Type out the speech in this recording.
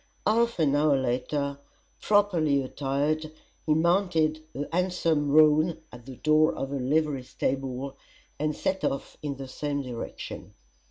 Half an hour later, properly attired, he mounted a handsome roan at the door of a livery stable, and set off in the same direction.